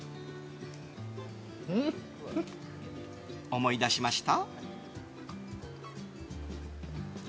思い出しました？